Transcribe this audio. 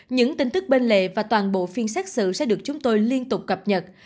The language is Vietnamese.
những tin tức bên lệ và toàn bộ phiên xét sự sẽ được chúng tôi liên tục cập nhật